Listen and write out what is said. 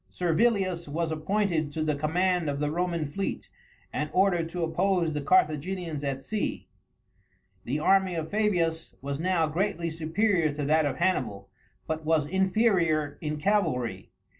Servilius was appointed to the command of the Roman fleet, and ordered to oppose the Carthaginians at sea. The army of Fabius was now greatly superior to that of Hannibal, but was inferior in cavalry.